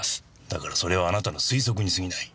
だからそれはあなたの推測にすぎない。